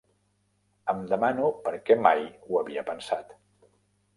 Em demano perquè mai ho havia pensat.